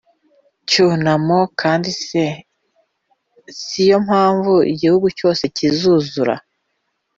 cyunamo Kandi se si yo mpamvu igihugu cyose kizuzura